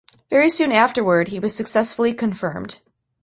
Very soon afterward, he was successfully confirmed.